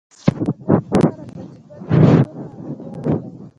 د متل فکر او تجربه د کولتور معنوي اړخ دی